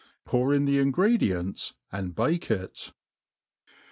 Pour in the ingredients, aj^d bake it.